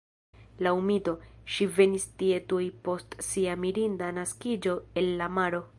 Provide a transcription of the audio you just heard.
Laŭ mito, ŝi venis tie tuj post sia mirinda naskiĝo el la maro.